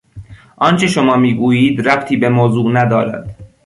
آنچه شما میگویید ربطی به موضوع ندارد.